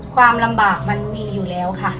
ความลำบากมันมีอยู่แล้วค่ะ